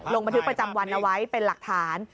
ลงบันทึกประจำวันเอาไว้เป็นหลักฐาน